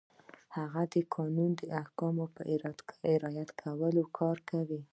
هغه د قانون د احکامو په رعایت کار کوي.